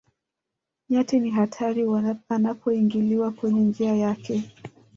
nyati ni hatari anapoingiliwa kwenye njia yake